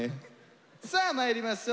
さあまいりましょう。